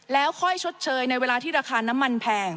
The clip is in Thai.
แล้วค่อยชดเชยในเวลาที่ราคาน้ำมันแพง